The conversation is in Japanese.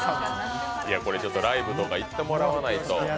これライブとか行ってもらわないと。